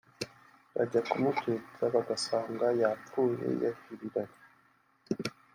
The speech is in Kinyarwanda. bajya kumubyutsa bagasanga yapfuye yaviriranye